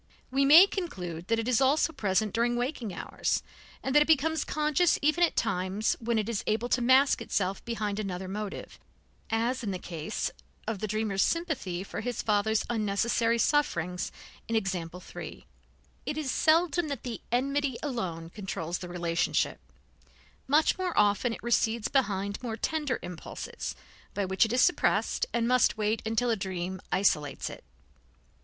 We may conclude that it is also present during waking hours, and that it becomes conscious even at times when it is able to mask itself behind another motive, as in the case of the dreamer's sympathy for his father's unnecessary sufferings in example 3. It is seldom that the enmity alone controls the relationship; much more often it recedes behind more tender impulses, by which it is suppressed, and must wait until a dream isolates it.